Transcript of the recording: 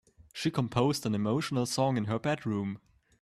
She composed an emotional song in her bedroom.